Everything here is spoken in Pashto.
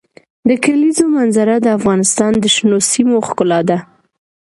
د کلیزو منظره د افغانستان د شنو سیمو ښکلا ده.